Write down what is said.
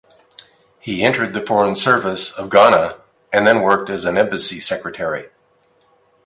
He entered the foreign service of Ghana and then worked as an embassy secretary.